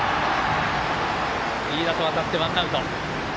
飯田と渡ってワンアウト。